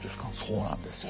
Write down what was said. そうなんですよ。